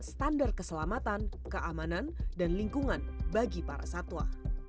standar keselamatan keamanan dan lingkungan bagi para satwa